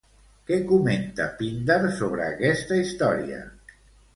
Què comenta Píndar sobre aquesta història?